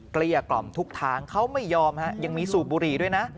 เกลี้ยกล่อมทุกทางเขาไม่ยอมฮะยังมีสูบบุหรี่ด้วยนะ